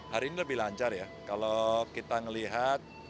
hari ini lebih lancar ya kalau kita melihat